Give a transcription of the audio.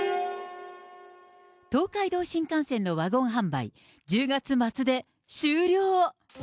東海道新幹線のワゴン販売、１０月末で終了。